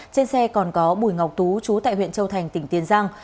trên xe còn có bùi ngọc tú chú tại huyện châu thành tỉnh tiền giang